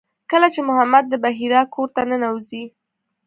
کله چې محمد د بحیرا کور ته ننوځي.